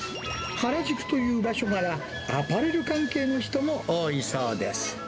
原宿という場所柄、アパレル関係の人も多いそうです。